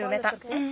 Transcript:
うん。